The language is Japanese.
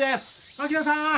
槙野さん